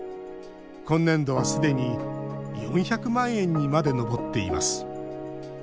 今年度はすでに４００万円にまで上っています。